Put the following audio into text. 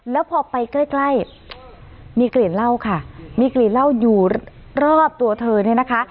แล้วพอไปใกล้ใกล้มีกลิ่นเหล้าค่ะมีกลิ่นเหล้าอยู่รอบตัวเธอเนี่ยนะคะ